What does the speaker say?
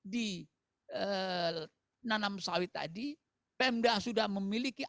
dinanam sawit tadi pemda sudah memiliki